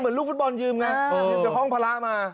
เหมือนลูกฟุตบอลยืมไงเดี๋ยวคล้องพละมา